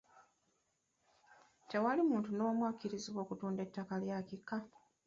Tewali muntu n'omu akkirizibwa kutunda ttaka lya kika.